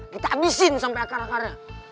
kita habisin sampai akar akarnya